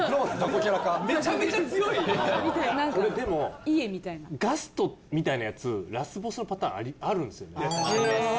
これでもガストみたいなヤツラスボスのパターンあるんですよね。